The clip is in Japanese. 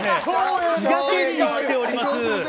私は滋賀県に来ております。